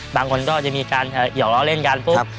บางคนก็จะมีการหยอกล้อเล่นกันปุ๊บ